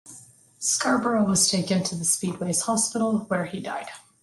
Scarborough was taken to the speedway's hospital, where he died.